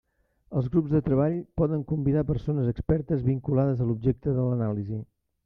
Els grups de treball poden convidar persones expertes vinculades a l'objecte de l'anàlisi.